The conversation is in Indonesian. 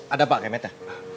ada pak kemetnya